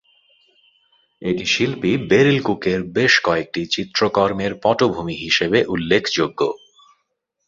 এটি শিল্পী বেরিল কুকের বেশ কয়েকটি চিত্রকর্মের পটভূমি হিসেবে উল্লেখযোগ্য।